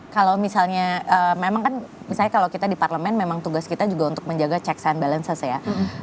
kalau misalnya memang kan misalnya kalau kita di parlemen memang tugas kita juga untuk menjaga checks and balances ya